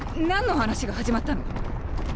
何の話が始まったの？